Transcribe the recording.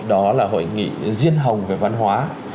đó là hội nghị diên hồng về văn hóa